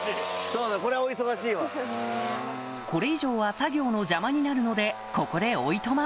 これ以上は作業の邪魔になるのでここでおいとま